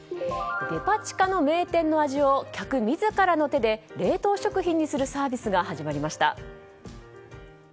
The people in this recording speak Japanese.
デパ地下の名店の味を客自らの手で冷凍食品にするサービスが始まりました。